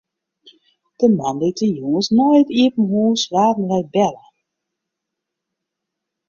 De moandeitejûns nei it iepen hús waarden wy belle.